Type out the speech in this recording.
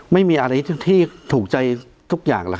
ไม่มีอะไรที่ถูกใจทุกอย่าง